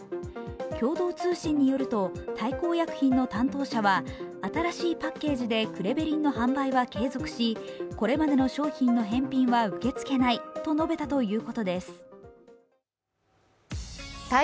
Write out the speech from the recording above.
共同通信によると、大幸薬品の担当者は新しいパッケージでクレベリンの販売は継続し、これまでの商品の返品は受け付けないと述べたということです。